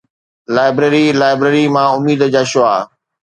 library library مان اميد جا شعاع